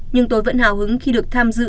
nhưng tôi vẫn hào hứng khi được tham dự